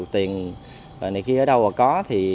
tiền này khi ở đâu mà có